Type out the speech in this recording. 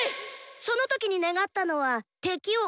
その時に願ったのは「敵をうつ」ことか？